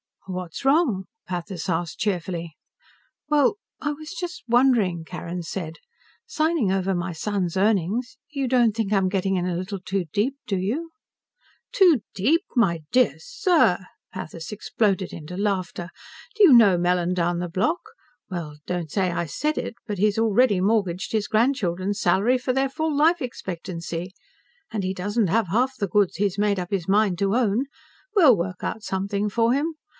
"What's wrong?" Pathis asked cheerfully. "Well, I was just wondering," Carrin said. "Signing over my son's earnings you don't think I'm getting in a little too deep, do you?" "Too deep? My dear sir!" Pathis exploded into laughter. "Do you know Mellon down the block? Well, don't say I said it, but he's already mortgaged his grandchildren's salary for their full life expectancy! And he doesn't have half the goods he's made up his mind to own! We'll work out something for him.